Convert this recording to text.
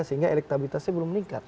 sehingga elektabilitasnya belum meningkat